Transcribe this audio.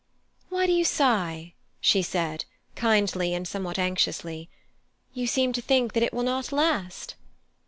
"Why do you sigh?" she said, kindly and somewhat anxiously. "You seem to think that it will not last?"